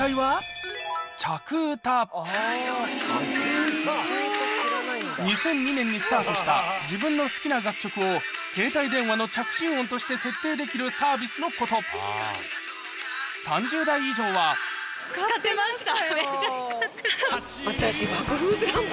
『キセキ』２００２年にスタートした自分の好きな楽曲を携帯電話の着信音として設定できるサービスのこと３０代以上は私。